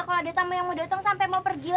kalau ada tamu yang mau datang sampai mau pergi